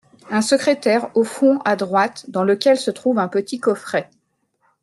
Un secrétaire au fond, à droite, dans lequel se trouve un petit coffret.